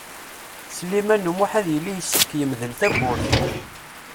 Sliman U Muḥ ad yili yessefk yemdel tawwurt.